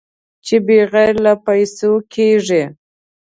چې بغیر له پېسو کېږي.